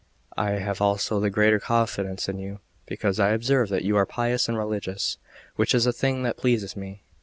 I have also the greater confidence in you because I observe that you are pious and religious, which is a thing that pleases me.